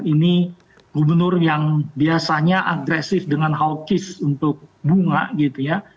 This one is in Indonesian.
ini gubernur yang biasanya agresif dengan hawkish untuk bunga gitu ya